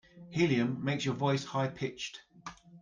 Helium makes your voice high pitched.